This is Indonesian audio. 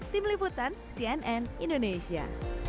tim liputan cnn indonesia